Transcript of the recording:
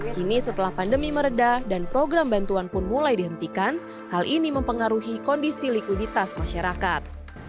kini setelah pandemi meredah dan program bantuan pun mulai dihentikan hal ini mempengaruhi kondisi likuiditas masyarakat